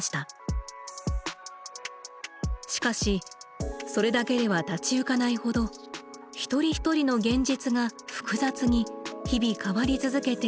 しかしそれだけでは立ち行かないほど一人一人の現実が複雑に日々変わり続けている今。